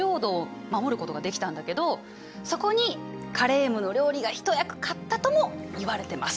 そこにカレームの料理が一役買ったともいわれてます。